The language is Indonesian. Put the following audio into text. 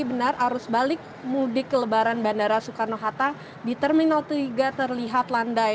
benar arus balik mudik kelebaran bandara soekarno hatta di terminal tiga terlihat landai